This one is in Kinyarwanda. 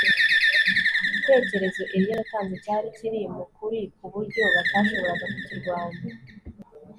Igitekerezo Eliya yatanze cyari kiri mu kuri ku buryo batashoboraga kucyirwanya